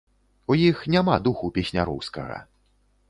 У іх няма духу песняроўскага.